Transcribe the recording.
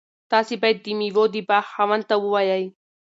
تاسي باید د میوو د باغ خاوند ته ووایئ.